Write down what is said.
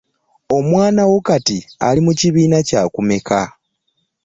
Omwana wo kati ali mukibiina kyakumeka?